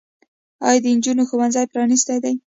آیا د نجونو ښوونځي پرانیستي دي؟